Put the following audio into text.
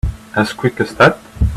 As quick as that?